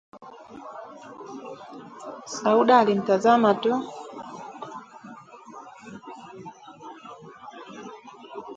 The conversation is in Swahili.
Sauda alimtazama tu